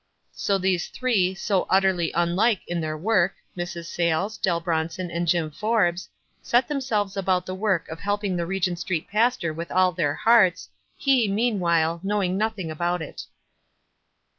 So these three, so utterly unlike in their work, Mrs. Sayles, Dell Bronson and Jim Forbes, set themselves about the work of helping the Re gent Street pastor with all their hearts, he, meanwhile, knowing nothing about it.